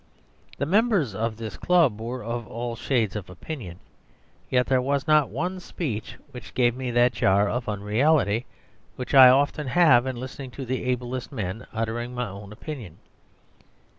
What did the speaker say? The members of this club were of all shades of opinion, yet there was not one speech which gave me that jar of unreality which I often have in listening to the ablest men uttering my own opinion.